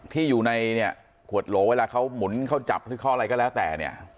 ที่อยู่ในเนี่ยขวดโหลเวลาเขาหมุนเขาจับหรือเขาอะไรก็แล้วแต่เนี่ย